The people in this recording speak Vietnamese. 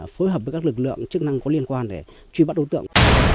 phối hợp với các lực lượng chức năng có liên quan để truy bắt đối tượng